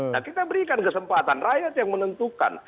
nah kita berikan kesempatan rakyat yang menentukan